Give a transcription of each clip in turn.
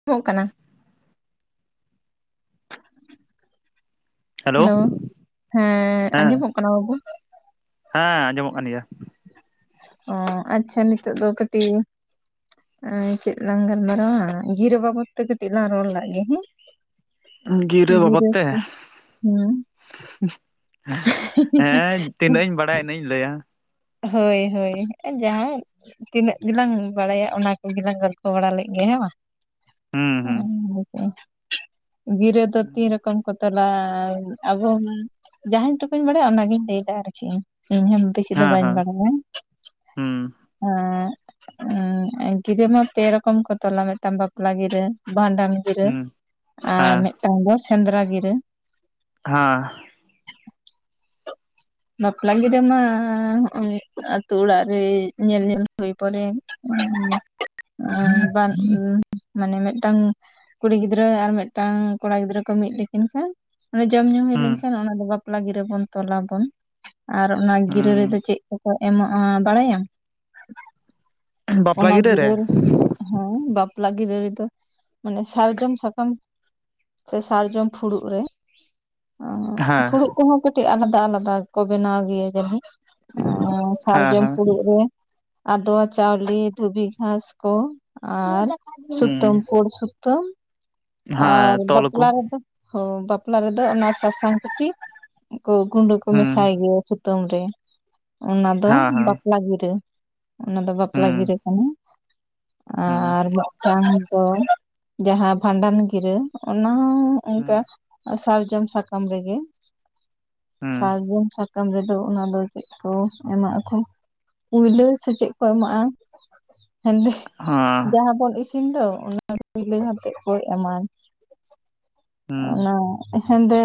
[unintelligible] ᱠᱟᱱᱟ? ᱦᱮᱞᱳ, ᱦᱮᱸ ᱟᱸᱡᱚᱢᱚᱜ ᱠᱟᱱᱟ ᱵᱟᱵᱩ? ᱦᱮᱸ ᱟᱸᱡᱚᱢᱚᱜ ᱠᱟᱱ ᱜᱮᱭᱟ ᱾ ᱚ ᱟᱪᱪᱷᱟ ᱱᱤᱛᱚᱜ ᱫᱚ ᱠᱟᱹᱴᱤᱡ ᱪᱮᱫ ᱞᱟᱝ ᱜᱟᱞᱢᱟᱨᱟᱣᱟ, ᱜᱤᱨᱟᱹ ᱵᱟᱵᱚᱛ ᱛᱮ ᱠᱟᱹᱴᱤᱡ ᱞᱟᱝ ᱨᱚᱲ ᱞᱟᱜ ᱜᱮ ᱦᱮᱸ ᱾ ᱜᱤᱨᱟᱹ ᱵᱟᱵᱚᱫ ᱛᱮ ᱦᱮᱸ ᱦᱮᱸ ᱛᱤᱱᱟᱹᱜ ᱤᱧ ᱵᱟᱲᱟᱭᱟ ᱤᱱᱟᱹᱜ ᱤᱧ ᱞᱟᱹᱭᱟ ᱾ ᱦᱳᱭ, ᱦᱳᱭ, ᱡᱟᱦᱟᱸ ᱾ ᱛᱤᱱᱟᱹᱜ ᱜᱮᱞᱟᱝ ᱵᱟᱲᱟᱭᱟ, ᱚᱱᱟ ᱠᱚᱜᱮᱞᱟᱝ ᱜᱚᱞᱯᱷᱚ ᱵᱟᱲᱟ ᱞᱮᱜ ᱜᱮᱭᱟ ᱦᱮᱸ ᱵᱟᱝ? ᱦᱩᱸ ᱦᱩᱸ ᱚ ᱜᱤᱨᱟ. ᱫᱚ ᱛᱤᱱ ᱨᱚᱠᱚᱢ ᱠᱚ? ᱛᱟᱞᱟ ᱟᱵᱚ ᱡᱟᱦᱟᱸᱧ ᱴᱩᱠᱩᱧ ᱵᱟᱲᱟᱭᱟ, ᱚᱱᱟᱜᱤᱧ ᱞᱟᱹᱭᱫᱟ ᱟᱨᱠᱤ ᱤᱧ ᱦᱚᱸ ᱜᱤᱨᱟᱹ ᱦᱮᱸ ᱵᱟᱹᱧ ᱦᱮᱸ ᱵᱟᱲᱟᱭᱟ, ᱦᱩᱸ ᱚᱸ ᱩᱢ, ᱜᱤᱨᱟᱹ ᱢᱟ ᱯᱮ ᱨᱚᱠᱚᱢ ᱠᱚ ᱛᱚᱞᱟ, ᱢᱤᱜᱴᱟᱝ ᱵᱟᱯᱞᱟ ᱜᱤᱨᱟᱹ, ᱵᱷᱟᱸᱰᱟᱱ ᱜᱤᱨᱟᱹ, ᱦᱩᱸ ᱟᱨ ᱦᱮᱸ ᱢᱤᱜᱴᱟᱝ ᱫᱚ ᱥᱮᱸᱫᱽᱨᱟ ᱜᱤᱨᱟᱹ ᱾ ᱦᱟᱸ, ᱵᱟᱯᱞᱟ ᱜᱤᱨᱟᱹ ᱢᱟ ᱦᱚᱜᱼᱚᱭ, ᱟᱛᱳ ᱚᱲᱟᱜ ᱨᱮ ᱧᱮᱞ, ᱧᱮᱞ ᱧᱮᱞ ᱦᱳᱭ ᱯᱚᱨᱮ ᱵᱟᱝ ᱢᱟᱱᱮ ᱢᱤᱜᱴᱟᱝ ᱠᱩᱲᱤ ᱜᱤᱫᱽᱨᱟᱹ ᱟᱨ ᱢᱤᱜᱴᱟᱝ ᱠᱚᱲᱟ ᱜᱤᱫᱽᱨᱟᱹ ᱠᱚ ᱢᱤᱫ ᱞᱮᱠᱤᱱ ᱠᱷᱟᱱ? ᱚᱱᱮ ᱡᱚᱢ ᱧᱩ ᱦᱩᱭ ᱦᱩᱸ ᱞᱮᱱᱠᱷᱟᱱ, ᱚᱱᱟ ᱫᱚ ᱵᱟᱯᱞᱟ ᱜᱤᱨᱟᱹ ᱵᱚᱱ ᱛᱚᱞᱟᱵᱚᱱ ᱟᱨ ᱚᱱᱟ ᱜᱤᱨᱟᱹ ᱨᱮᱫᱚ ᱪᱮᱫ ᱠᱚᱠᱚ, ᱮᱢᱟᱜᱼᱟ ᱵᱟᱲᱟᱭᱟᱢ? ᱚᱱᱟ ᱜᱤᱨᱟᱹ ᱨᱮ, ᱦᱮᱸ ᱵᱟᱯᱞᱟ ᱜᱤᱨᱟᱹ ᱨᱮᱫᱚ ᱢᱟᱱᱮ, ᱥᱟᱨᱡᱚᱢ ᱥᱟᱠᱟᱢ ᱾ ᱥᱮ ᱥᱟᱨᱡᱚᱢ ᱯᱷᱩᱲᱩᱜ ᱨᱮ? ᱚᱸ, ᱦᱮᱸ ᱯᱷᱩᱲᱩᱜ ᱠᱚᱦᱚᱸ ᱠᱟᱹᱴᱤᱡ ᱟᱞᱟᱫᱟ ᱟᱞᱟᱫᱟ ᱠᱚ ᱵᱮᱱᱟᱣ ᱜᱮᱭᱟ ᱡᱟᱹᱱᱤᱡ? ᱟᱸ, ᱦᱮᱸ ᱥᱟᱨᱡᱚᱢ ᱦᱮᱸ ᱯᱷᱩᱲᱩᱜ ᱨᱮ ᱟᱫᱚᱣᱟ ᱪᱟᱣᱞᱮ ᱫᱷᱩᱵᱤ ᱜᱷᱟᱥ ᱠᱚ, ᱟᱨ ᱦᱩᱸ ᱥᱩᱛᱟᱹᱢ ᱯᱳᱲ ᱥᱩᱛᱟᱹᱢ᱾ ᱛᱚ, ᱟᱨ ᱦᱮᱸ ᱛᱚᱞ ᱟᱠᱚ ᱵᱟᱯᱞᱟ ᱨᱮᱫᱚ ᱚᱸ, ᱵᱟᱯᱞᱟ ᱨᱮᱫᱚ ᱚᱱᱟ ᱥᱟᱥᱟᱝ ᱛᱮᱠᱤ, ᱠᱚ ᱜᱩᱸᱰᱟᱹ ᱠᱚ ᱦᱩᱸ ᱢᱮᱥᱟᱭ ᱜᱮᱭᱟ ᱾ ᱥᱩᱛᱟᱹᱢ ᱨᱮ ᱚᱱᱟ ᱫᱚ ᱦᱮᱸ ᱦᱮᱸ ᱵᱟᱯᱞᱟ ᱜᱤᱨᱟᱹ, ᱚᱱᱟ ᱫᱚ ᱵᱟᱯᱞᱟ ᱦᱩᱸ ᱜᱤᱨᱟᱹ ᱠᱟᱱᱟ ᱾ ᱦᱩᱸ ᱟᱨ ᱢᱤᱜᱴᱟᱝ ᱫᱚ, ᱡᱟᱦᱟᱸ ᱵᱷᱟᱸᱰᱟᱱ ᱜᱤᱨᱟᱹ ᱚᱱᱟ ᱦᱚᱸ ᱦᱩᱸ ᱚᱝᱠᱟ, ᱥᱟᱨᱡᱚᱢ ᱥᱟᱠᱟᱢ ᱨᱮᱜᱮ ᱦᱩᱸ ᱥᱟᱨᱡᱚᱢ ᱥᱟᱠᱟᱢ ᱨᱮᱫᱚ, ᱚᱱᱟ ᱫᱚ ᱪᱮᱫ ᱠᱚ ᱮᱢᱟᱜ ᱟᱠᱚ? ᱠᱩᱭᱞᱟᱹ ᱥᱮ ᱪᱮᱫ ᱠᱚ ᱮᱢᱟᱜᱼᱟ ᱾ ᱢᱮᱱᱫᱟᱹᱧ ᱦᱮᱸ ᱡᱟᱦᱟᱸ ᱵᱚᱱ ᱤᱥᱤᱱ ᱫᱚ, ᱚᱱᱟ ᱫᱚ [unintelligible] ᱠᱚ ᱮᱢᱟᱱ, ᱦᱩᱸ ᱚᱱᱟ ᱦᱮᱸᱫᱮ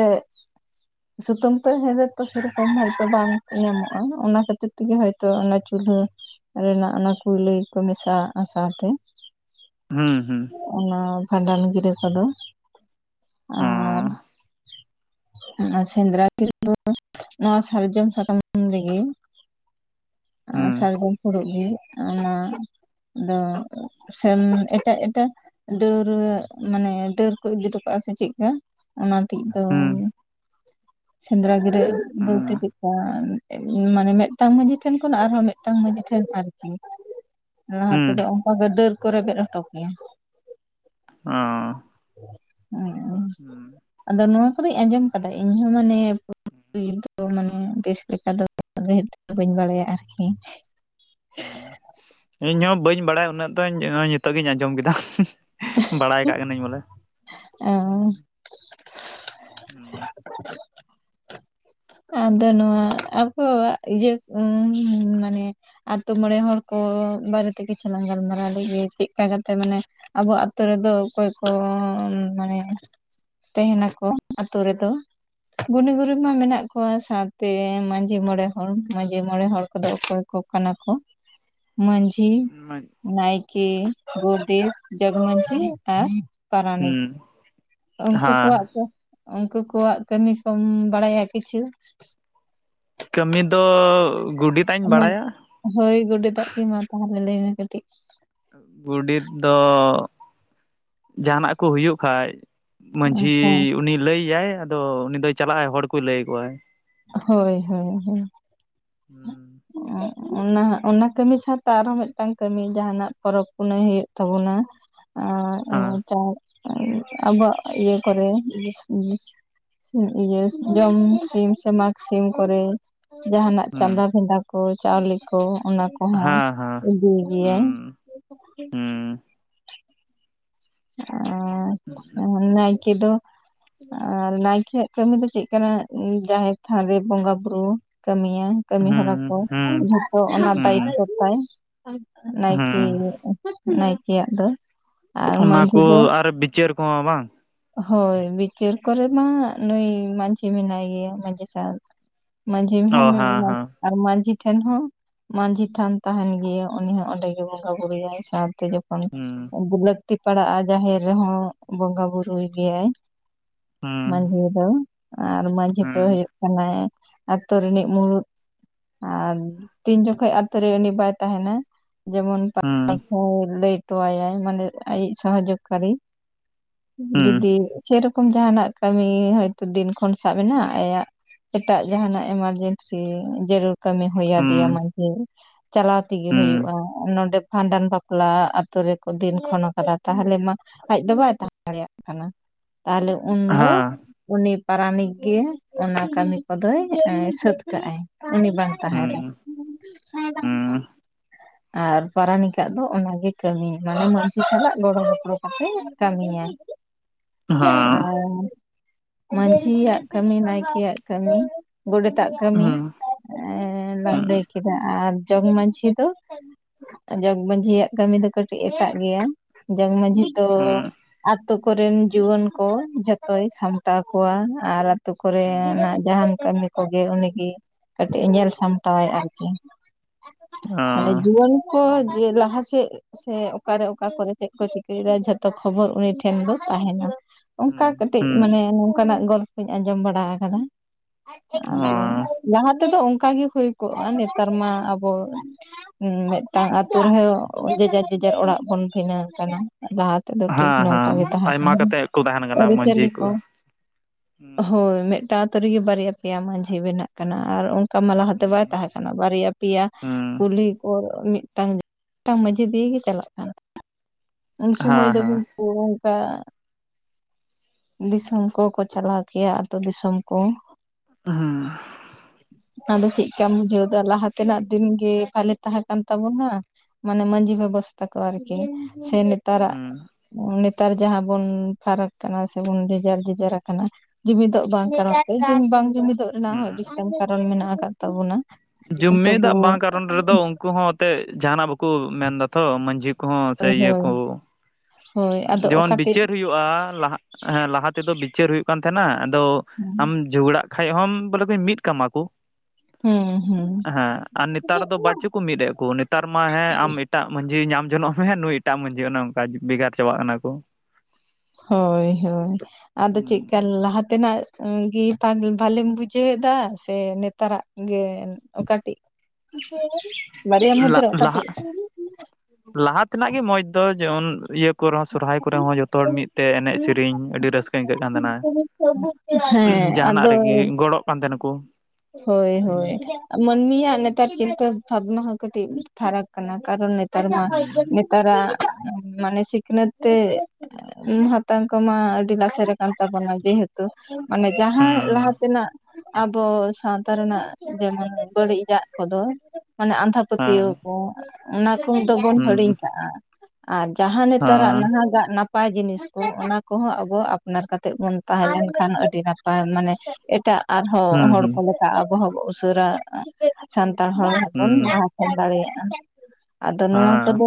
ᱥᱩᱛᱟᱹᱢ ᱛᱮ ᱦᱮᱸᱫᱮ ᱛᱚ, ᱥᱮᱨᱚᱠᱚᱢ ᱦᱚᱭᱛᱚ ᱵᱟᱝ ᱧᱟᱢᱚᱜᱼᱟ, ᱚᱱᱟ ᱠᱷᱟᱹᱛᱤᱨ ᱛᱤᱜᱤ ᱦᱚᱭᱛᱚ ᱚᱱᱟ ᱪᱩᱞᱦᱟᱹ ᱨᱮᱱᱟᱜ ᱚᱱᱟ ᱠᱩᱞᱟᱹᱭ ᱠᱩ ᱢᱮᱥᱟᱣᱟᱜᱼᱟ ᱥᱟᱶᱛᱮ᱾ ᱦᱩᱸ, ᱦᱩᱸ᱾ ᱚᱱᱟ ᱵᱷᱟᱸᱰᱟᱱ ᱜᱤᱨᱟᱹ ᱠᱚᱫᱚ, ᱦᱩᱸ ᱟᱨ ᱚᱱᱟ ᱥᱮᱸᱫᱽᱨᱟ ᱜᱤᱨᱟᱹ, ᱱᱚᱣᱟ ᱥᱟᱨᱡᱚᱢ ᱥᱟᱠᱟᱢ ᱨᱮᱜᱮ? [inaudible] [unintelligible] ᱯᱷᱩᱲᱩᱜ ᱜᱮ ᱚᱱᱟ ᱫᱚ, ᱥᱮᱢ ᱮᱴᱟᱜ ᱮᱴᱟᱜ ᱰᱟᱹᱨ ᱰᱷᱟᱣᱨᱟᱹᱜ, ᱢᱟᱱᱮ ᱰᱟᱹᱨ ᱠᱚ ᱤᱫᱤ ᱴᱚ ᱠᱟᱜᱼᱟ, ᱥᱮ ᱪᱮᱫᱠᱟ, ᱚᱱᱟ ᱴᱤᱡᱫᱚ ᱫᱚ? ᱦᱩᱸ ᱥᱮᱸᱫᱽᱨᱟ ᱜᱤᱨᱟᱹᱵᱚᱞᱛᱮ‌ ᱪᱮᱫᱠᱟ? ᱢᱟᱱᱮ ᱢᱤᱫᱴᱟᱝ ᱢᱟᱺᱡᱷᱤ ᱴᱷᱮᱱ ᱠᱷᱚᱱ, ᱟᱨᱦᱚᱸ ᱢᱤᱫᱴᱟᱝ ᱢᱟᱺᱡᱷᱤ ᱴᱷᱮᱱ ᱟᱨᱠᱤ ᱦᱩᱸ ᱞᱟᱦᱟ ᱦᱩᱸ ᱛᱮᱫᱚ ᱚᱱᱠᱟ ᱜᱮ, ᱰᱟᱹᱨ ᱠᱚ ᱨᱮᱵᱮᱫ ᱦᱚᱴᱚ ᱠᱮᱭᱟ? ᱚ, [inaudible] ᱦᱩᱸ, ᱟᱫᱚ ᱱᱚᱣᱟ ᱠᱚᱫᱚᱧ ᱟᱸᱡᱚᱢ ᱠᱟᱫᱟ, ᱤᱧᱦᱚᱸ ᱢᱟᱱᱮ ᱯᱩᱨᱟᱹᱯᱩᱨᱤ ᱫᱚ, ᱢᱟᱱᱮ ᱵᱮᱥ ᱞᱮᱠᱟ ᱫᱚ ᱟᱫᱚ ᱦᱮᱛᱳᱜ ᱫᱚ, ᱵᱟᱹᱧ ᱵᱟᱲᱟᱭᱟ ᱟᱨᱠᱤ? ᱦᱩ, ᱤᱧᱦᱚᱸ ᱵᱟᱹᱧ ᱵᱟᱲᱟᱭᱟ ᱩᱱᱟᱹᱜ ᱫᱚᱧ, ᱱᱤᱛᱚᱜ ᱜᱤᱧ ᱟᱸᱡᱚᱢ ᱠᱮᱫᱟ᱾ ᱵᱟᱲᱟᱭ ᱠᱟᱜ ᱠᱟᱹᱱᱟᱹᱧ ᱵᱚᱞᱮ ᱮᱸ, ᱦᱩᱸ, [inaudible] ᱟᱫᱚ ᱱᱚᱣᱟ ᱟᱵᱚᱣᱟᱜ ᱤᱭᱟᱹ ᱩᱸ ᱢᱟᱱᱮ ᱟᱛ ᱢᱚᱬᱮ ᱦᱚᱲ ᱠᱚ ᱵᱟᱨᱮ ᱛᱮ ᱠᱤᱪᱷᱩ ᱞᱟᱝ ᱜᱟᱞᱢᱟᱨᱟᱣ ᱞᱮᱜᱮ ᱪᱮᱫᱠᱟ ᱠᱟᱛᱮ ᱢᱟᱱᱮ ᱟᱵᱚ ᱟᱹᱛᱳ ᱨᱮᱫᱚ ᱚᱠᱚᱭ ᱠᱚ ᱢᱟᱱᱮ ᱛᱟᱸᱦᱮ ᱱᱟᱠᱚ ᱟᱛᱳ ᱨᱮᱫᱚ ᱜᱩᱱᱤ ᱜᱩᱨᱤᱵ ᱢᱟ ᱢᱮᱱᱟᱜ ᱠᱚᱣᱟ ᱥᱟᱶ ᱛᱮ ᱢᱟᱺᱡᱷᱤ ᱢᱚᱬᱮ ᱦᱚᱲ ᱢᱟᱺᱡᱷᱤ ᱢᱚᱬᱮ ᱦᱚᱲ ᱠᱚᱫᱚ ᱚᱠᱚᱭ ᱠᱚ ᱠᱟᱱᱟ ᱠᱚ? ᱢᱟᱺᱡᱷᱤ ᱱᱟᱭᱠᱮ ᱜᱳᱰᱮᱛ ᱡᱚᱜᱽ ᱢᱟᱺᱡᱷᱤ ᱟᱨ ᱯᱟᱨᱟᱱᱤᱠ ᱦᱩᱸ ᱩᱱᱠᱩ ᱦᱮᱸ ᱠᱚᱣᱟᱜ ᱠᱚ ᱩᱱᱠᱩ ᱠᱚᱣᱟᱜ ᱠᱟᱹᱢᱤ ᱠᱚᱢ ᱵᱟᱲᱟᱭᱟ ᱠᱤᱪᱷᱩ? ᱠᱟᱹᱢᱤ ᱫᱚ ᱜᱩᱰᱤᱛ ᱦᱳᱭ ᱜᱚᱰᱮᱛ ᱟᱜ ᱜᱮ ᱢᱟ ᱛᱟᱦᱞᱮ ᱞᱟᱹᱭ ᱢᱮ ᱠᱟᱹᱴᱤᱡ ᱾ ᱜᱚᱰᱮᱛ ᱫᱚ ᱡᱟᱦᱟ ᱱᱟᱜ ᱠᱚ ᱦᱩᱭᱩᱜ ᱠᱷᱟᱡ ᱢᱟᱺᱡᱷᱤ ᱦᱳᱭ ᱩᱱᱤ ᱞᱟᱹᱭ ᱟᱭᱭᱟᱭ ᱟᱫᱚ ᱩᱱᱤ ᱫᱚᱭ ᱪᱟᱞᱟᱜ ᱟᱭ ᱦᱚᱲ ᱠᱚᱭ ᱞᱟᱹᱭ ᱟᱠᱚᱣᱟᱭ ᱾ ᱦᱳᱭ ᱦᱳᱭ ᱦᱳᱭ ᱾ ᱦᱮᱸ ᱚᱱᱟ ᱚᱱᱟ ᱠᱟᱹᱢᱤ ᱥᱟᱶᱛᱮ ᱟᱨᱦᱚᱸ ᱢᱤᱫᱴᱟᱝ ᱠᱟᱹᱢᱤ ᱡᱟᱦᱟ ᱱᱟᱜ ᱯᱚᱨᱚᱵᱽ ᱯᱩᱱᱟᱹᱭ ᱦᱩᱭᱩᱜ ᱛᱟᱵᱚᱱᱟ᱾ ᱟᱨ ᱦᱩᱸ ᱚᱱᱮ ᱪᱟᱨ ᱟᱵᱚᱣᱟᱜ ᱤᱭᱟᱹ ᱠᱚᱨᱮ ᱤᱭᱟᱹᱥ ᱡᱚᱢ ᱥᱤᱢ ᱥᱮ ᱢᱟᱜᱽ ᱥᱤᱢ ᱠᱚᱨᱮ ᱡᱟᱦᱱᱟᱜ ᱪᱟᱸᱫᱟ ᱵᱷᱮᱫᱟ ᱠᱚ ᱪᱟᱣᱞᱮ ᱠᱚ ᱚᱱᱟ ᱠᱚ ᱠᱚᱦᱚᱸ ᱦᱮᱸ ᱦᱮᱸ ᱤᱫᱤᱭ ᱜᱮᱭᱟᱭ ᱦᱩᱸ ᱦᱩᱸ ᱟᱸ ᱪᱷᱟ ᱱᱟᱭᱠᱮ ᱫᱚ ᱟᱨ ᱱᱟᱭᱠᱮ ᱭᱟᱜ ᱠᱟᱹᱢᱤ ᱫᱚ ᱪᱮᱫ ᱠᱟᱱᱟ ᱡᱟᱦᱮᱨ ᱛᱷᱟᱱ ᱨᱮ ᱵᱚᱸᱜᱟ ᱵᱩᱨᱩ ᱠᱟᱹᱢᱤ ᱭᱟ᱾ ᱠᱟᱹᱢᱤ ᱦᱩᱸ ᱦᱚᱨᱟ ᱠᱚ ᱦᱩᱸ ᱡᱚᱛᱚ ᱚᱱᱟ ᱦᱩᱸ ᱫᱟᱭᱤᱛᱛᱚ ᱛᱟᱭ ᱱᱟᱭᱠᱮ ᱦᱩᱸ ᱱᱟᱭᱠᱮ ᱭᱟᱜ ᱫᱚ᱾ ᱟᱨ ᱚᱱᱟ ᱢᱟᱺᱡᱷᱤ ᱠᱚ ᱫᱚ ᱟᱨ ᱵᱤᱪᱟᱹᱨ ᱠᱚᱦᱚᱸ ᱵᱟᱝ? ᱦᱳᱭ ᱵᱤᱪᱟᱹᱨ ᱠᱚᱨᱮ ᱢᱟ ᱱᱩᱭ ᱢᱟᱺᱡᱷᱤ ᱢᱮᱱᱟᱭ ᱜᱮᱭᱟ ᱢᱟᱺᱡᱷᱤ ᱥᱟᱶ ᱢᱟᱺᱡᱷᱤ ᱚ ᱦᱚᱸ ᱦᱮᱸ ᱦᱮᱸ ᱟᱨ ᱢᱟᱺᱡᱷᱤ ᱴᱷᱮᱱ ᱦᱚᱸ ᱢᱟᱺᱡᱷᱤ ᱛᱷᱟᱱ ᱛᱟᱦᱮᱱ ᱜᱮᱭᱟ ᱩᱱᱤ ᱦᱚᱸ ᱚᱸᱰᱮ ᱜᱮᱭ ᱵᱚᱸᱜᱟ ᱵᱩᱨᱩᱭᱟᱭ ᱥᱟᱶᱛᱮ ᱡᱚ ᱦᱩᱸ ᱚᱱ ᱵᱤ ᱞᱟᱹᱠᱛᱤ ᱯᱟᱲᱟᱜᱼᱟ ᱡᱟᱦᱮᱨ ᱨᱮᱦᱚᱸ ᱵᱚᱸᱜᱟ ᱵᱩᱨᱩᱭ ᱜᱮᱭᱟᱭ᱾ ᱦᱩᱸ ᱢᱟᱺᱡᱷᱤ ᱫᱚ ᱟᱨ ᱢᱟᱺᱡᱷᱤ ᱦᱩᱸ ᱫᱚ ᱦᱩᱭᱩᱜ ᱦᱮᱱᱟᱭᱟ ᱟᱛᱳ ᱨᱤᱱᱤᱡ ᱢᱩᱬᱩᱫ ᱟᱨ ᱛᱤᱱ ᱡᱚᱠᱷᱚᱡ ᱟᱹᱛᱳ ᱨᱮ ᱩᱱᱤ ᱵᱟᱭ ᱛᱟᱦᱮᱱᱟ ᱡᱮᱢᱚᱱ ᱦᱩᱸ ᱞᱟᱹᱭ ᱦᱚᱴᱚᱭᱟᱭ ᱢᱟᱱᱮ ᱟᱭᱤᱡ ᱥᱚᱦᱚᱡᱳᱜ ᱠᱟᱨᱤ ᱡᱩᱫᱤ ᱥᱮᱨᱚᱠᱚᱢ ᱡᱟᱦᱟᱱᱟᱜ ᱠᱟᱹᱢᱤ ᱦᱳᱭᱛᱳ ᱫᱤᱱ ᱠᱷᱚᱱ ᱥᱟᱵ ᱮᱱᱟ ᱟᱭᱟᱜ ᱮᱴᱟᱜ ᱡᱟᱦᱟᱱᱟᱜ ᱮᱢᱟᱨᱡᱮᱱᱥᱤ ᱡᱟᱹᱨᱩᱲ ᱠᱟᱹᱢᱤ ᱦᱩᱭ ᱟᱫᱮᱭᱟ ᱢᱟᱺᱡᱷᱤ ᱪᱟᱞᱟᱣ ᱛᱮᱜᱮ ᱦᱩᱭᱩᱜᱼᱟ᱾ ᱱᱚᱸᱰᱮ ᱵᱷᱟᱸᱰᱟᱱ ᱵᱟᱯ ᱵᱟᱯᱞᱟ ᱟᱛᱳ ᱨᱮᱠᱚ ᱫᱤᱱ ᱠᱷᱚᱱᱚ ᱠᱟᱫᱟ ᱛᱟᱦᱚᱞᱮ ᱢᱟ ᱟᱡ ᱫᱚ ᱵᱟᱭ ᱛᱟᱦᱮᱸ ᱫᱟᱲᱮᱭᱟᱜ ᱠᱟᱱᱟ ᱛᱟᱦᱚᱞᱮ ᱩᱱ ᱫᱚ ᱩᱱᱤ ᱯᱟᱨᱟᱱᱤᱠ ᱜᱮ ᱚᱱᱟ ᱠᱟᱹᱢᱤ ᱠᱚᱫᱚᱭ ᱥᱟᱹᱛ ᱠᱟᱜ ᱟᱭ᱾ ᱩᱱᱤ ᱵᱟᱝ ᱛᱟᱦᱮ ᱨᱮ ᱟᱨ ᱯᱟᱨᱟᱱᱤᱠ ᱟᱜ ᱫᱚ ᱚᱱᱟᱜᱮ ᱠᱟᱹᱢᱤ ᱢᱟᱱᱮ ᱪᱟᱹᱥᱤ ᱥᱟᱞᱟᱜ ᱜᱚᱲᱚ ᱜᱚᱯᱚᱲᱚ ᱠᱚᱛᱮ ᱠᱟᱹᱢᱤᱭᱟᱭ ᱟᱨ ᱢᱟᱺᱡᱷᱤ ᱭᱟᱜ ᱠᱟᱹᱢᱤ, ᱱᱟᱭᱠᱮ ᱭᱟᱜ ᱠᱟᱹᱢᱤ, ᱜᱚᱰᱮᱛ ᱟᱜ ᱠᱟᱹᱢᱤ, ᱮ ᱞᱟᱝ ᱞᱟᱹᱭ ᱠᱮᱫᱟ ᱟᱨ ᱡᱚᱜᱽ ᱢᱟᱺᱡᱷᱤ ᱫᱚ? ᱡᱚᱜᱽ ᱢᱟᱺᱡᱷᱤ ᱭᱟᱜ ᱠᱟᱹᱢᱤ ᱫᱚ ᱠᱟᱹᱴᱤᱡ ᱮᱴᱟᱜ ᱜᱮᱭᱟ ᱡᱚᱜᱽ ᱢᱟᱺᱡᱷᱤ ᱛᱚ ᱟᱛᱳ ᱠᱚᱨᱮᱱ ᱡᱩᱣᱟᱹᱱ ᱠᱚ ᱡᱷᱚᱛᱚᱭ ᱥᱟᱢᱴᱟᱣ ᱠᱚᱣᱟ᱾ ᱟᱨ ᱟᱹᱛᱩ ᱠᱚ ᱨᱮᱱᱟᱜ ᱡᱟᱦᱟᱱ ᱠᱟᱹᱢᱤ ᱠᱚᱜᱮ ᱩᱱᱤ ᱜᱮ ᱠᱟᱹᱴᱤᱡᱼᱮ ᱧᱮᱞ ᱥᱟᱢᱴᱟᱣ ᱟᱭ ᱟᱨᱠᱤ᱾ ᱚ, ᱢᱟᱱᱮ ᱦᱩᱸ, ᱡᱩᱣᱟᱹᱱ ᱠᱚ ᱡᱮ ᱞᱟᱦᱟ ᱥᱮᱫ ᱥᱮ ᱚᱠᱟ ᱨᱮ ᱚᱠᱟ ᱠᱚᱨᱮ ᱪᱮᱫ ᱠᱚ ᱪᱤᱠᱟᱹᱭ ᱫᱟ ᱡᱷᱚᱛᱚ ᱠᱷᱚᱵᱚᱨ ᱩᱱᱤ ᱴᱷᱮᱱ ᱫᱚ ᱛᱟᱦᱮᱱᱟ᱾ ᱚᱱᱠᱟ ᱦᱩᱸ, ᱠᱟᱹᱴᱤᱡ ᱦᱩᱸ, ᱢᱟᱱᱮ ᱱᱚᱝᱠᱟᱱᱟᱜ ᱜᱚᱞᱯᱚᱧ ᱟᱸᱡᱚᱢ ᱵᱟᱲᱟ ᱟᱠᱟᱫᱟ ᱚ, ᱟᱫᱚ ᱞᱟᱦᱟ ᱛᱮᱫᱚ ᱚᱱᱠᱟᱜᱤ ᱦᱩᱭ ᱠᱚᱜᱼᱟ ᱱᱮᱛᱟᱨ ᱢᱟ ᱟᱵᱚ ᱦᱩᱸ ᱢᱤᱫᱴᱟᱝ ᱟᱛᱳ ᱨᱮᱦᱚᱸ ᱡᱮᱡᱟᱨ ᱡᱮᱡᱟᱨ ᱚᱲᱟᱜ ᱵᱚᱱ ᱵᱷᱤᱱᱟᱹ ᱠᱟᱱᱟ ᱞᱟᱦᱟ ᱛᱮᱫ ᱫᱚ ᱴᱷᱤᱠ ᱦᱮᱸ, ᱱᱚᱝᱠᱟ ᱦᱮᱸ, ᱜᱮ ᱛᱟᱦᱮᱸ ᱟᱭᱢᱟ ᱠᱟᱱᱟ ᱠᱟᱛᱮᱫ ᱠᱚ ᱛᱟᱦᱮᱱ ᱠᱟᱱᱟ ᱢᱟᱺᱡᱷᱤ ᱟᱹᱨᱤᱪᱟᱹᱞᱤ ᱠᱚ ᱦᱩᱸ, ᱦᱳᱭ ᱢᱤᱫᱴᱟᱝ ᱟᱛᱳ ᱨᱮᱜᱮ ᱵᱟᱨᱭᱟ ᱯᱮᱭᱟ ᱢᱟᱺᱡᱷᱤ ᱵᱮᱱᱟᱜ ᱠᱟᱱᱟ ᱟᱨ ᱚᱱᱠᱟ ᱢᱟ ᱞᱟᱦᱟᱛᱮ ᱵᱟᱭ ᱦᱩᱸ, ᱛᱟᱦᱮᱸ ᱵᱟᱨᱭᱟ ᱯᱮᱭᱟ ᱦᱩᱸ, ᱠᱩᱞᱦᱤ ᱠᱚ ᱢᱤᱫᱴᱟᱝ ᱢᱤᱫᱴᱟᱝ ᱢᱟᱺᱡᱷᱤ ᱫᱤᱭᱮ ᱜᱮ ᱪᱟᱞᱟᱜ ᱠᱟᱱ ᱩᱱ ᱥᱚᱢᱚᱭ ᱦᱮᱸ, ᱱᱩᱠᱩ ᱦᱮᱸ, ᱚᱱᱠᱟ ᱫᱤᱥᱚᱢ ᱠᱚᱠᱚ ᱪᱟᱞᱟᱣ ᱠᱮᱭᱟ ᱟᱛᱳ ᱫᱤᱥᱚᱢ ᱠᱚ ᱦᱩᱸ ᱟᱫᱚ ᱪᱮᱫ ᱠᱟᱢ ᱵᱩᱡᱷᱟᱹᱣ ᱫᱟ ᱞᱟᱦᱟ ᱛᱮᱱᱟᱜ ᱫᱤᱱ ᱜᱮ ᱵᱷᱟᱞᱮ ᱛᱟᱦᱮᱸ ᱠᱟᱱ ᱛᱟᱵᱚᱱᱟ? ᱢᱟᱱᱮ ᱢᱟᱹᱡᱷᱤ ᱵᱮᱵᱚᱥᱛᱟ ᱠᱚ ᱟᱨᱠᱤ ᱥᱮ ᱱᱮᱛᱟᱨᱟᱜ᱾ ᱦᱩᱸ, ᱱᱮᱛᱟᱨ ᱡᱟᱦᱟᱸ ᱵᱚᱱ ᱯᱷᱟᱨᱟᱠ ᱠᱟᱱᱟ ᱥᱮᱵᱚᱱ ᱡᱮᱡᱟᱨ ᱡᱮᱡᱟᱨ ᱟᱠᱟᱱᱟ᱾ ᱡᱩᱢᱤᱫᱚᱜ ᱵᱟᱝ ᱠᱟᱨᱚᱱ ᱛᱮ ᱵᱟᱝ ᱡᱩᱢᱤᱫᱚᱜ ᱨᱮᱱᱟᱜ ᱦᱚᱸ ᱟᱹᱰᱤ ᱦᱩᱸ᱾ ᱴᱟᱱ ᱠᱟᱨᱚᱱ ᱢᱮᱱᱟᱜ ᱟᱠᱟᱫ ᱛᱟᱵᱚᱱᱟ᱾ ᱛᱚᱵᱩ ᱡᱩᱤᱫᱟᱜ ᱵᱟᱝ ᱠᱟᱨᱚᱱ ᱨᱮᱫᱚ ᱩᱱᱠᱩ ᱦᱚᱸ ᱚᱛᱮ ᱡᱟᱦᱟᱱᱟᱜ ᱵᱟᱠᱚ ᱢᱮᱱᱫᱟ ᱛᱚ ᱢᱟᱺᱡᱷᱤ ᱠᱚ ᱦᱚᱸ ᱥᱮ ᱤᱭᱟᱹ ᱦᱳᱭ ᱠᱚ ᱦᱳᱭ ᱟᱫᱚ ᱡᱮᱢᱚᱱ ᱚᱠᱟᱴᱤᱡ ᱵᱤᱪᱟᱹᱨ ᱦᱩᱭᱩᱜᱼᱟ ᱞᱟᱦ ᱦᱮᱸ ᱞᱟᱦᱟ ᱛᱮᱫᱚ ᱵᱤᱪᱟᱹᱨ ᱦᱩᱭᱩᱜ ᱠᱟᱱ ᱛᱟᱦᱮᱱᱟ ᱟᱫᱚ ᱟᱢ ᱡᱷᱚᱜᱽᱲᱟᱜ ᱠᱷᱟᱡ ᱦᱚᱢ ᱵᱚᱞᱮ ᱢᱤᱫ ᱠᱟᱢᱟ ᱠᱚ ᱦᱩᱸ ᱦᱩᱸ ᱾ ᱦᱮᱸ ᱟᱨ ᱱᱮᱛᱟᱨ ᱫᱚ ᱵᱟᱪᱮᱫ ᱠᱚ ᱢᱤᱫᱮᱫ ᱠᱚ ᱱᱮᱛᱟᱨ ᱢᱟ ᱦᱮᱸ ᱟᱢ ᱮᱴᱟᱜ ᱢᱟᱺᱡᱷᱤᱭ ᱧᱟᱢ ᱡᱚᱱᱚᱜ ᱢᱮ ᱱᱩᱭ ᱮᱴᱟᱜ ᱢᱟᱺᱡᱷᱤ ᱚᱱᱮ ᱚᱱᱠᱟ ᱵᱷᱮᱜᱟᱨ ᱪᱟᱵᱟᱜ ᱠᱟᱱᱟ ᱠᱚ᱾ ᱦᱳᱭ-ᱦᱳᱭ᱾ ᱟᱫᱚ ᱪᱮᱫᱠᱟ ᱞᱟᱦᱟ ᱛᱮᱱᱟᱜ ᱜᱮ ᱵᱷᱟᱞᱮᱢ ᱵᱩᱡᱷᱟᱹᱣ ᱮᱫᱟ ᱥᱮ ᱱᱮᱛᱟᱨᱟᱜ? ᱜᱮ ᱚᱠᱟᱴᱤᱡ ᱵᱟᱹᱨᱭᱟ ᱢᱩᱫᱽᱨᱮ ᱞᱟᱦᱟ ᱚᱠᱟᱴᱤᱡ? ᱞᱟᱦᱟ ᱛᱮᱱᱟᱜ ᱜᱮ ᱢᱚᱸᱡᱽ ᱫᱚ ᱡᱮᱢᱚᱱ ᱤᱭᱟᱹ ᱠᱚᱨᱮ ᱦᱚᱸ ᱥᱚᱨᱦᱟᱭ ᱠᱚᱨᱮ ᱦᱚᱸ ᱡᱚᱛᱚ ᱦᱚᱲ ᱢᱤᱫᱛᱮ ᱮᱱᱮᱡ ᱥᱮᱨᱮᱧ ᱟᱹᱰᱤ ᱨᱟᱹᱥ ᱟᱹᱭᱠᱟᱹᱜ ᱠᱟᱱ ᱛᱟᱦᱮᱱᱟ ᱦᱮᱸ ᱡᱟᱦᱟᱱᱟᱜ ᱨᱮᱜᱮ ᱜᱚᱲᱚᱜ ᱠᱟᱱ ᱛᱟᱦᱮᱱᱟ ᱠᱚ᱾ ᱦᱳᱭ-ᱦᱳᱭ ᱦᱩᱸ ᱾ ᱢᱟᱹᱱᱢᱤᱭᱟᱜ ᱱᱮᱛᱟᱨ ᱪᱤᱱᱛᱟᱹ ᱵᱷᱟᱵᱽᱱᱟ ᱦᱚᱸ ᱠᱟᱹᱴᱤᱡ ᱯᱷᱟᱨᱟᱠ ᱠᱟᱱᱟ ᱠᱟᱨᱚᱱ ᱱᱮᱛᱟᱨ ᱢᱟ ᱦᱩᱸ ᱛᱟᱨᱟ, ᱢᱟᱱᱮ ᱥᱤᱠᱷᱱᱟᱹᱛ ᱛᱮ ᱦᱟᱛᱟᱝ ᱠᱚᱢᱟ ᱟᱹᱰᱤ ᱞᱟᱥᱮᱨ ᱟᱠᱟᱱ ᱛᱟᱵᱚᱱᱟ ᱡᱮᱦᱮᱛᱩ ᱢᱟᱱᱮ ᱦᱩᱸ ᱡᱟᱦᱟᱸ ᱞᱟᱦᱟ ᱦᱮᱸ ᱛᱮᱱᱟᱜ ᱟᱵᱚ ᱥᱟᱶᱛᱟ ᱨᱮᱱᱟᱜ ᱡᱮᱢᱚᱱ ᱵᱟᱹᱲᱤᱡᱟᱜ ᱠᱚᱫᱚ ᱢᱟᱱᱮ ᱟᱸᱫᱷᱟ ᱯᱟᱹᱛᱭᱟᱹᱣ ᱦᱮᱸ ᱠᱚ ᱚᱱᱟ ᱠᱚᱫᱚ ᱵᱚᱱ ᱦᱤᱲᱤᱧ ᱦᱮᱸ ᱠᱟᱜᱼᱟ᱾ ᱟᱨ ᱡᱟᱦᱟᱸ ᱱᱮᱛᱟᱨᱟᱜ ᱦᱮᱸ ᱱᱟᱦᱟᱜᱟᱜ ᱱᱟᱯᱟᱜ ᱱᱟᱯᱟᱭ ᱡᱤᱱᱤᱥ ᱠᱚ ᱚᱱᱟ ᱠᱚᱦᱚᱸ ᱟᱵᱚ ᱟᱯᱱᱟᱨ ᱠᱟᱛᱮᱫ ᱵᱚᱱ ᱛᱟᱦᱮᱸᱞᱱᱠᱷᱟᱱ ᱟᱹᱰᱤ ᱱᱟᱯᱟᱭ ᱢᱟᱱᱮ ᱮᱴᱟᱜ ᱟᱨᱦᱚᱸ ᱦᱩᱸ ᱦᱚᱲ ᱦᱩᱸ ᱠᱚ ᱞᱮᱠᱟ ᱟᱵᱚ ᱦᱚᱸ ᱵᱚ ᱩᱥᱟᱹᱨᱟᱼᱟ ᱥᱟᱱᱛᱟᱲ ᱦᱚᱲ ᱦᱚᱵᱚᱱ ᱦᱩᱸ ᱢᱟ ᱥᱮᱱ ᱫᱟᱲᱮᱭᱟᱜᱼᱟ ᱟᱫᱚ ᱱᱚᱣᱟ ᱦᱮᱸ ᱠᱚᱫᱚ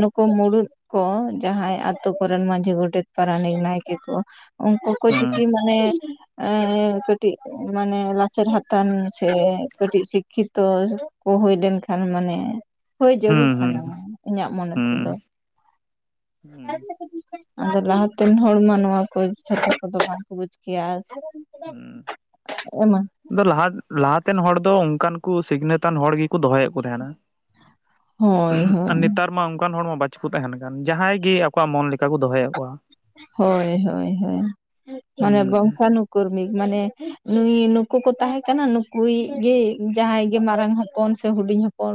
ᱱᱩᱠᱩ ᱢᱩᱲᱩᱫ ᱠᱚ ᱡᱟᱦᱟᱸᱭ ᱟᱛᱳ ᱠᱚᱨᱮᱱ ᱢᱟᱺᱡᱷᱤ ᱜᱚᱰᱮᱛ ᱯᱟᱨᱟᱱᱤᱠ ᱱᱟᱭᱠᱮ ᱠᱚ ᱩᱱᱠᱩ ᱠᱚ ᱦᱩᱸ ᱡᱫᱤ ᱢᱟᱱᱮ ᱠᱟᱹᱴᱤᱡ ᱢᱟᱱᱮ ᱪᱮᱨ ᱦᱟᱛᱟᱱ ᱥᱮ ᱠᱟᱹᱴᱤᱡ ᱥᱤᱠᱠᱷᱤᱛᱚ ᱠᱚ ᱦᱩᱭ ᱞᱮᱱᱠᱷᱟᱱ ᱢᱟᱱᱮ ᱦᱳᱭ ᱦᱩᱸ ᱡᱟᱹᱨᱩᱲ ᱦᱩᱸ ᱠᱟᱱᱟ ᱤᱧᱟᱹᱜ ᱢᱚᱱᱮ ᱦᱩᱸ ᱛᱮᱫᱚ᱾ ᱦᱩᱸ ᱟᱫᱚ ᱞᱟᱦᱟᱛᱮᱱ ᱦᱚᱲ ᱢᱟ ᱱᱚᱣᱟ ᱠᱚ ᱪᱷᱟᱛᱟ ᱠᱚᱫᱚ ᱵᱟᱝᱠᱚ ᱵᱩᱡᱽ ᱠᱮᱭᱟᱥᱮ ᱾ ᱦᱩᱸ ᱾ ᱟᱫᱚ ᱞᱟᱦᱟ ᱞᱟᱦᱟᱛᱮᱱ ᱦᱚᱲ ᱫᱚ ᱚᱱᱠᱟᱱ ᱠᱚ ᱥᱤᱠᱷᱱᱟᱹᱛᱟᱱ ᱦᱚᱲ ᱜᱮᱠᱚ ᱫᱚᱦᱚᱭᱮᱫ ᱠᱚ ᱛᱟᱦᱮᱸᱱᱟ ᱾ ᱦᱳᱭ ᱟᱨ ᱦᱳᱭ ᱱᱮᱛᱟᱨ ᱢᱟ ᱚᱱᱠᱟᱱ ᱦᱚᱲ ᱢᱟ ᱵᱟᱪ ᱩ ᱛᱟᱦᱮᱱ ᱠᱟᱱ ᱡᱟᱦᱟᱸᱭ ᱜᱮ ᱟᱠᱚᱣᱟᱜ ᱢᱚᱱ ᱞᱮᱠᱟ ᱠᱚ ᱫᱚᱦᱚᱭᱮᱫ ᱠᱚᱣᱟ ᱾ ᱦᱳᱭ, ᱦᱳᱭ-ᱦᱳᱭ ᱢᱟᱱᱮ ᱦᱩᱸ ᱵᱚᱝᱥᱟᱱ ᱠᱚᱨᱢᱤ ᱢᱟᱱᱮ ᱱᱩᱭ ᱱᱩᱠᱩ ᱠᱚ ᱛᱟᱦᱮᱸ ᱠᱟᱱᱟ ᱱᱩᱠᱩᱤᱡ ᱜᱮ ᱡᱟᱦᱟᱸᱭ ᱜᱮ ᱢᱟᱨᱟᱝ ᱦᱚᱯᱚᱱ ᱥᱮ ᱦᱩᱰᱤᱧ ᱦᱚᱯᱚᱱ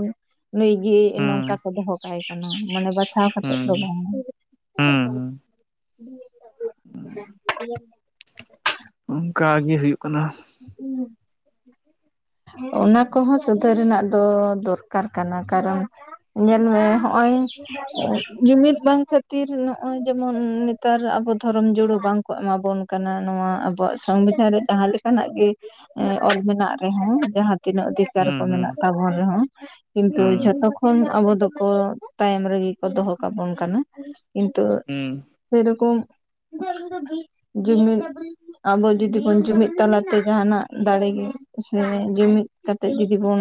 ᱱᱩᱭ ᱜᱮ ᱦᱩᱸ ᱱᱚᱝᱠᱟ ᱠᱚ ᱫᱚᱦᱚ ᱠᱟᱭ ᱠᱟᱱᱟ ᱢᱟᱱᱮ ᱵᱟᱪᱷᱟᱣ ᱠᱟᱛᱮᱫ ᱦᱩᱸ ᱫᱚ ᱵᱟᱝ ᱾ [inaudible] ᱦᱩᱸ ᱦᱩᱸ ᱚᱱᱠᱟᱜᱤ ᱦᱩᱭᱩᱜ ᱠᱟᱱᱟ᱾ ᱚᱱᱟ ᱠᱚᱦᱚᱸ ᱥᱩᱫᱷᱟᱹᱨ ᱨᱮᱱᱟᱜ ᱛᱚ ᱫᱚᱨᱠᱟᱨ ᱠᱟᱱᱟ ᱠᱟᱨᱚᱱ ᱧᱮᱞ ᱢᱮ ᱱᱚᱜᱼᱚᱭ ᱡᱩᱢᱤᱫ ᱵᱟᱝ ᱠᱷᱟᱹᱛᱤᱨ ᱱᱚᱜᱼᱚᱭ ᱡᱮᱢᱚᱱ ᱱᱮᱛᱟᱨ ᱟᱵᱚ ᱫᱷᱳᱨᱳᱢ ᱡᱩᱲᱩᱹ ᱵᱟᱝ ᱠᱚ ᱮᱢᱟ ᱵᱚᱱ ᱠᱟᱱᱟ ᱱᱚᱣᱟ ᱟᱵᱚᱣᱟᱜ ᱥᱚᱝᱵᱤᱫᱷᱟᱱ ᱨᱮ ᱡᱟᱦᱟᱸ ᱞᱮᱠᱟᱱᱟᱜ ᱜᱮ ᱚᱞ ᱢᱮᱱᱟᱜ ᱨᱮᱦᱚᱸ ᱡᱟᱦᱟᱸᱦ ᱛᱤᱱᱟᱹᱜ ᱚᱫᱷᱤᱠᱟᱨ ᱦᱩᱸ ᱠᱚ ᱦᱩᱸ ᱢᱮᱱᱟᱜ ᱛᱟᱵᱚᱱ ᱨᱮᱦᱚᱸ ᱠᱤᱱᱛᱩ ᱦᱩᱸ ᱡᱷᱚᱛᱚ ᱠᱷᱚᱱ ᱟᱵᱚ ᱫᱚᱠᱚ ᱛᱟᱭᱚᱢ ᱨᱮᱜᱮ ᱠᱚ ᱫᱚᱦᱚ ᱠᱟᱵᱚᱱ ᱠᱟᱱᱟ᱾ ᱠᱤᱱᱛᱩ ᱦᱩᱸ᱾ ᱥᱮᱨᱚᱠᱚᱢ ᱡᱩᱢᱤᱫ ᱟᱵᱚ ᱡᱩᱫᱤᱵᱚᱱ ᱡᱩᱢᱤᱫ ᱛᱟᱞᱟᱛᱮ ᱡᱟᱦᱟᱱᱟᱜ ᱫᱟᱲᱮ ᱜᱮ ᱥᱮ ᱡᱩᱢᱤᱫ ᱠᱟᱛᱮᱜ ᱡᱩᱚᱫᱤᱵᱚᱱ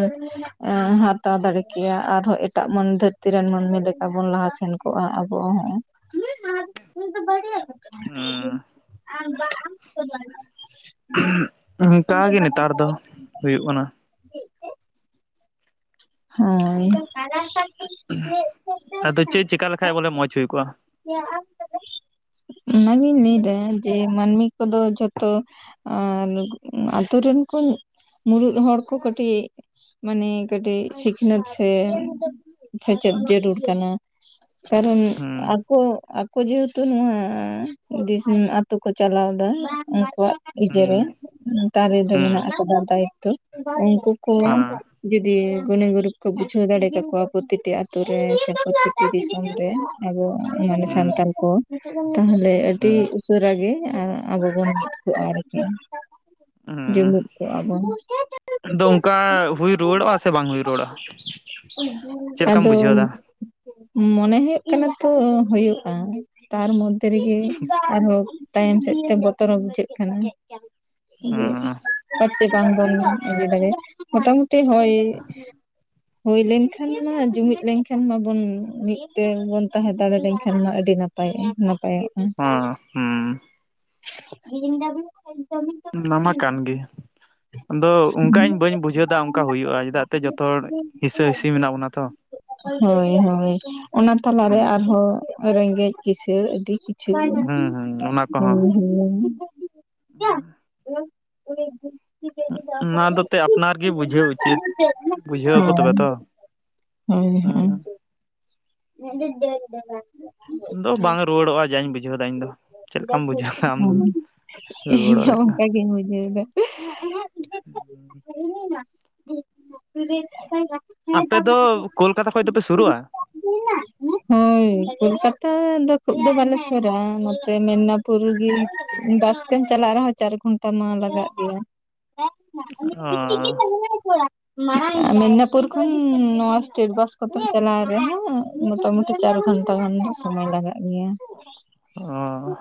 ᱦᱟᱛᱟᱣ ᱫᱟᱲᱮ ᱠᱮᱭᱟ ᱟᱨᱦᱚᱸ ᱮᱴᱟᱜ ᱢᱟᱹᱱ ᱫᱷᱟᱹᱨᱛᱤ ᱨᱮᱱ ᱢᱟᱹᱱᱢᱤ ᱞᱮᱠᱟ ᱵᱚᱱ ᱞᱟᱦᱟ ᱥᱮᱱ ᱠᱚᱜᱼᱟ ᱟᱵᱚ ᱦᱚᱸ᱾ ᱫᱚ ᱵᱟᱹᱲ ᱦᱩᱸ ᱚᱱᱠᱟᱜ ᱜᱮ ᱱᱮᱛᱟᱨ ᱫᱚ ᱦᱩᱭᱩᱜ ᱠᱟᱱᱟ᱾ [unintelligible] ᱟᱫᱚ ᱪᱮᱫ ᱪᱮᱠᱟ ᱞᱮᱠᱷᱟᱡ ᱵᱚᱞᱮ ᱢᱚᱸᱡᱽ ᱦᱩᱭ ᱠᱚᱜᱼᱟ? ᱚᱱᱟ ᱜᱤᱧ ᱞᱟᱹᱭ ᱫᱟ ᱡᱮ ᱢᱟᱹᱱᱢᱤ ᱠᱚᱫᱚ ᱡᱷᱚᱛᱚ ᱟᱨ ᱟᱛᱳ ᱨᱮᱱ ᱠᱚ ᱢᱩᱬᱩᱫ ᱦᱚᱲ ᱠᱚ ᱠᱟᱹᱴᱤᱡ ᱢᱟᱱᱮ ᱠᱟᱹᱴᱤᱡ ᱥᱤᱠᱷᱱᱟᱹᱛ ᱥᱮ ᱥᱮᱪᱮᱫ ᱡᱟᱹᱨᱩᱲ ᱠᱟᱱᱟ ᱾ ᱠᱟᱨᱚᱱ ᱦᱩᱸ ᱟᱠᱚ ᱟᱠᱚ ᱡᱮᱦᱮᱛᱩ ᱱᱚᱣᱟ ᱫᱤᱥᱚᱢ ᱟᱛᱳ ᱠᱚ ᱪᱟᱞᱟᱣ ᱫᱟ᱾ ᱩᱱᱠᱩᱣᱟᱜ ᱤᱭᱮ ᱦᱩᱸ ᱨᱮ ᱛᱟᱨᱮᱱ ᱦᱩᱸ ᱢᱮᱱᱟᱜ ᱠᱚᱫᱟ ᱫᱟᱭᱤᱛᱚ ᱾ ᱩᱱᱠᱩ ᱠᱚ ᱦᱮᱸ ᱡᱩᱫᱤ ᱜᱩᱱᱤ ᱜᱩᱨᱤᱵᱽ ᱠᱚ ᱵᱩᱡᱷᱟᱹᱣ ᱫᱟᱲᱮ ᱠᱟ ᱠᱚᱣᱟ ᱯᱨᱚᱛᱤᱴᱤ ᱟᱛᱳ ᱨᱮ ᱥᱮ ᱯᱨᱚᱛᱤᱴᱤ ᱫᱤᱥᱚᱢ ᱨᱮ ᱾ ᱟᱵᱚ ᱢᱟᱱᱮ ᱦᱩᱸ ᱥᱟᱱᱛᱟᱲ ᱠᱚ ᱛᱟᱦᱚᱞᱮ ᱟᱹᱰᱤ ᱦᱩᱸ ᱩᱥᱟᱹᱨᱟ ᱜᱮ ᱟᱵᱚ ᱵᱚᱱ ᱟᱨᱠᱤ ᱡᱩᱢᱤᱫ ᱠᱚᱜᱼᱟ ᱵᱚᱱ ᱾ ᱟᱫᱚ ᱚᱱᱠᱟ ᱦᱩᱭ ᱨᱩᱣᱟᱹᱲᱚᱜᱼᱟ ᱥᱮ ᱵᱟᱝ ᱦᱩᱭ ᱨᱩᱣᱟᱹᱲᱚᱜᱼᱟ ᱾ ᱪᱮᱫ ᱞᱮᱠᱟᱢ ᱟᱫᱚ ᱵᱩᱡᱷᱟᱹᱣ ᱮᱫᱟ? ᱢᱚᱱᱮ ᱦᱩᱭᱩᱜ ᱠᱟᱱᱟ ᱛᱚ ᱦᱩᱭᱩᱜᱼᱟ ᱾ ᱛᱟᱨ ᱢᱚᱫᱽᱫᱷᱮ ᱨᱮᱜᱮ ᱟᱨᱦᱚᱸ ᱛᱟᱭᱚᱢ ᱥᱮᱫ ᱛᱮ ᱵᱚᱛᱚᱨᱚ ᱵᱩᱡᱷᱟᱹᱜ ᱠᱟᱱᱟ ᱡᱮ ᱦᱚᱸ [unintelligible] ᱢᱚᱴᱟ-ᱢᱩᱴᱤ ᱦᱚᱭ ᱾ ᱦᱩᱭ ᱞᱮᱱᱠᱷᱟᱱ ᱢᱟ ᱡᱩᱢᱤᱫ ᱞᱮᱱᱠᱷᱟᱱ ᱢᱟ ᱵᱚᱱ ᱢᱤᱫᱴᱟᱹᱝ ᱵᱚᱱ ᱛᱟᱦᱮᱸ ᱫᱟᱲᱮ ᱞᱮᱱᱠᱷᱟᱱ ᱢᱟ ᱟᱹᱰᱤ ᱱᱟᱯᱟᱭᱼᱟ, ᱱᱟᱯᱟᱭᱚᱜᱼᱟ ᱾ ᱦᱩᱸ [unintelligible] ᱚᱱᱟ ᱢᱟ ᱠᱟᱱ ᱜᱮ ᱟᱫᱚ ᱚᱱᱠᱟ ᱤᱧ ᱵᱟᱹᱧ ᱵᱩᱡᱷᱟᱹᱣ ᱮᱫᱟ ᱚᱱᱠᱟ ᱦᱩᱭᱩᱜᱼᱟ ᱪᱮᱫᱟᱜ ᱛᱮ ᱡᱚᱛ ᱦᱚᱲ ᱦᱤᱥᱟᱹ ᱦᱤᱥᱤ ᱢᱮᱱᱟᱜ ᱵᱚᱱᱟ ᱛᱚ ᱾ ᱦᱚᱭ ᱦᱚᱭ ᱚᱱᱟ ᱛᱟᱞᱟᱨᱮ ᱦᱩᱸ ᱟᱨᱦᱚᱸ ᱨᱮᱸᱜᱮᱡ ᱠᱤᱥᱬ ᱟᱹᱰᱤ ᱠᱤᱪᱷᱩ ᱦᱮᱸ ᱦᱩᱸ ᱚᱱᱟ ᱦᱮᱸ ᱠᱚᱦᱚᱸ [inaudible] ᱚᱱᱟ ᱫᱚ ᱛᱮ ᱟᱯᱱᱟᱨ ᱜᱮ ᱵᱩᱡᱷᱟᱹᱣ ᱩᱪᱤᱛ [unintelligible] ᱵᱩᱡᱷᱟᱹᱣ ᱟᱠᱚ ᱦᱮᱸ ᱛᱚᱵᱮ ᱛᱚ ᱦᱚᱭ ᱦᱮᱸ ᱾ [inaudible] ᱫᱚ ᱵᱟᱝ ᱨᱩᱣᱟᱹᱲᱚᱜᱼᱟ ᱡᱟᱧ ᱵᱩᱡᱷᱟᱹᱣ ᱫᱟ ᱤᱧᱫᱚ ᱾ ᱪᱮᱫ ᱞᱮᱠᱟᱢ ᱵᱩᱡᱷᱟᱹᱣ ᱫᱟ ᱟᱢᱫᱚ? ᱦᱳᱭ ᱤᱧ ᱦᱚᱸ ᱚᱱᱠᱟ ᱜᱮᱧ ᱵᱩᱡᱷᱟᱹᱣᱟ ᱫᱟ ᱾ [inaudible] ᱟᱯᱮ ᱫᱚ ᱠᱳᱞᱠᱟᱛᱟ ᱠᱷᱚᱱ ᱫᱚᱯᱮ ᱥᱩᱨᱩᱜᱼᱟ? [inaudible] ᱦᱚᱭ ᱠᱳᱞᱠᱟᱛᱟ ᱫᱚ ᱠᱷᱩᱵ ᱫᱚ ᱵᱟᱞᱮ ᱥᱚᱨᱟ ᱾ ᱱᱚᱛᱮ ᱢᱮᱱᱟᱯᱩᱨ ᱜᱮ ᱵᱟᱥ ᱛᱮᱢ ᱪᱟᱞᱟᱜ ᱨᱮᱦᱚᱸ ᱪᱟᱨ ᱜᱷᱚᱱᱴᱟ ᱢᱟ ᱞᱟᱜᱟᱜ ᱜᱮᱭᱟ ᱾ ᱦᱚᱸ ᱢᱮᱫᱽᱱᱟᱯᱩᱨ ᱠᱷᱚᱱ ᱱᱚᱣᱟ ᱥᱴᱮᱴ ᱵᱟᱥ ᱠᱚᱛᱮ ᱪᱟᱞᱟᱶ ᱨᱮᱦᱚ ᱾ ᱢᱚᱴᱟ ᱢᱩᱩᱴᱤ ᱪᱟᱨ ᱜᱷᱚᱱᱴᱟ ᱜᱟᱱᱟᱜ ᱥᱚᱢᱥᱚᱭ ᱞᱟᱜᱟᱜ ᱜᱮᱭᱟ ᱾ [inaudible]